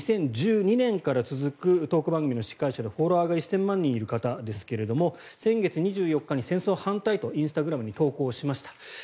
２０１２年から続くトーク番組の司会者でフォロワーが１０００万人いる方ですが先月２４日に戦争反対とインスタグラムに投稿しました。